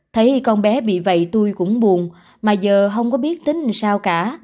thấy con bé bị vậy tôi cũng buồn mà giờ không có biết tính sao cả